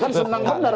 kan senang benar